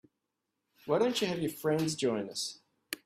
Why don't you have your friends join us?